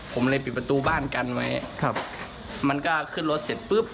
ผมเลยปิดประตูบ้านกันไว้ครับมันก็ขึ้นรถเสร็จปุ๊บ